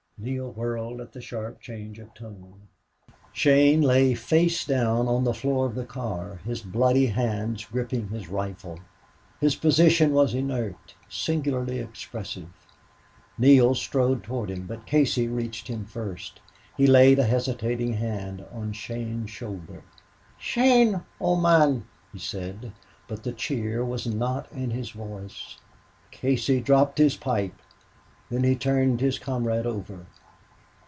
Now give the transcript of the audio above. Neale whirled at the sharp change of tone. Shane lay face down on the floor of the car, his bloody hands gripping his rifle. His position was inert, singularly expressive. Neale strode toward him. But Casey reached him first. He laid a hesitating hand on Shane's shoulder. "Shane, old mon!" he said, but the cheer was not in his voice. Casey dropped his pipe! Then he turned his comrade over.